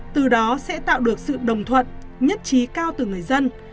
từ đó sẽ tạo được sự đồng thuận nhất trí cao từ người dân